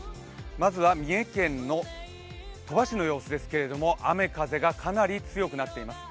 まずは三重県の鳥羽市の様子ですけども雨・風がかなり強くなっています。